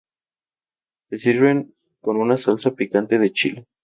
Se sirven con una salsa picante de chile.